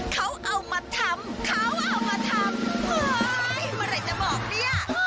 เขาเอามาทำเขาเอามาทำเฮ้ยเมื่อไหร่จะบอกเนี่ย